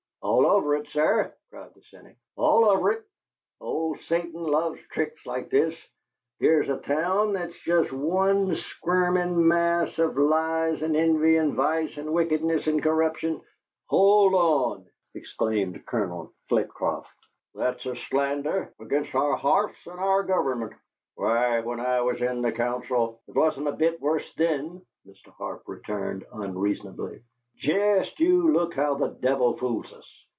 "All over it, sir!" cried the cynic. "All over it! Old Satan loves tricks like this. Here's a town that's jest one squirmin' mass of lies and envy and vice and wickedness and corruption " "Hold on!" exclaimed Colonel Flitcroft. "That's a slander upon our hearths and our government. Why, when I was in the Council " "It wasn't a bit worse then," Mr. Arp returned, unreasonably. "Jest you look how the devil fools us.